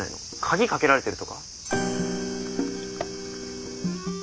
鍵かけられてるとか？